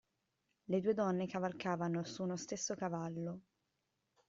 Le due donne cavalcavano su uno stesso cavallo.